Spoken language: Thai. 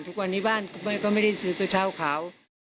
ทุกวันนี้บ้านก็ไม่ได้ซื้อก็เช่าเขา